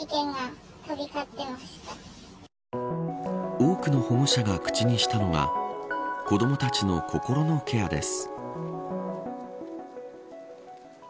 多くの保護者が口にしたのは子どもたちの心のケアです。